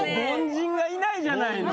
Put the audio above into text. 凡人がいないじゃないの。